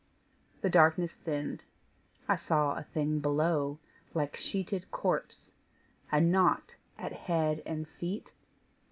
The darkness thinned; I saw a thing below, Like sheeted corpse, a knot at head and feet.